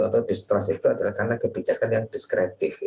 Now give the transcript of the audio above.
atau distrust itu adalah karena kebijakan yang diskretif